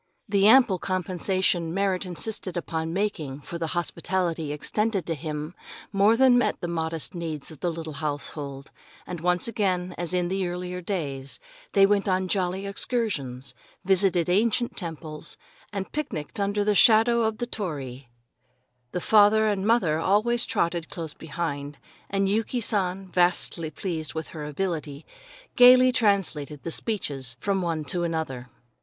The ample compensation Merrit insisted upon making for the hospitality extended to him more than met the modest needs of the little household, and once again, as in the earlier days, they went on jolly excursions, visited ancient temples, and picnicked under the shadow of the torii. The father and mother always trotted close behind, and Yuki San, vastly pleased with her ability, gaily translated the speeches from one to another.